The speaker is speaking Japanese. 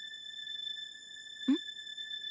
うん？